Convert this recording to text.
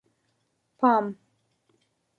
_پام!!!